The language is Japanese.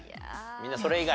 みんなそれ以外？